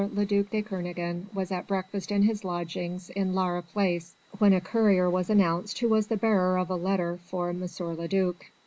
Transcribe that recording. le duc de Kernogan was at breakfast in his lodgings in Laura Place, when a courier was announced who was the bearer of a letter for M. le duc.